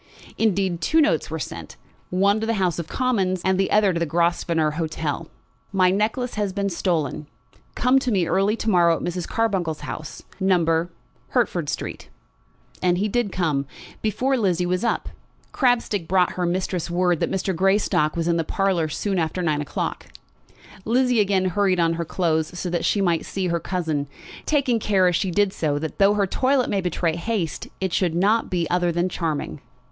Indeed, two notes were sent, one to the House of Commons, and the other to the Grosvenor Hotel. "My necklace has been stolen. Come to me early to morrow at Mrs. Carbuncle's house, No. , Hertford Street." And he did come, before Lizzie was up. Crabstick brought her mistress word that Mr. Greystock was in the parlour soon after nine o'clock. Lizzie again hurried on her clothes so that she might see her cousin, taking care as she did so that though her toilet might betray haste, it should not be other than charming.